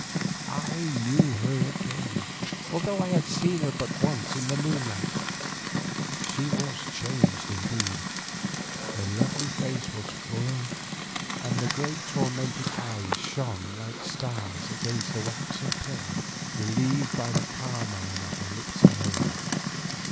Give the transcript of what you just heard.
I knew her again, although I had seen her but once in the moonlight. She was changed indeed, her lovely face was fuller and the great tormented eyes shone like stars against its waxen pallor, relieved by the carmine of her lips alone.